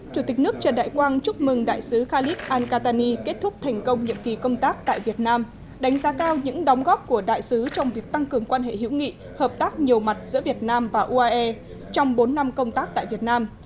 chủ tịch nước trần đại quang chúc mừng đại sứ khalid ankatani kết thúc thành công nhiệm kỳ công tác tại việt nam đánh giá cao những đóng góp của đại sứ trong việc tăng cường quan hệ hữu nghị hợp tác nhiều mặt giữa việt nam và uae trong bốn năm công tác tại việt nam